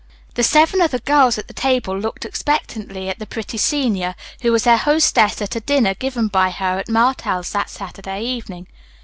The seven other girls at the table looked expectantly at the pretty senior, who was their hostess at a dinner given by her at Martell's that Saturday evening.